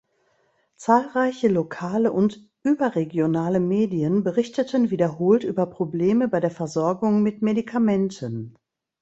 Zahlreiche lokale und überregionale Medien berichteten wiederholt über Probleme bei der Versorgung mit Medikamenten.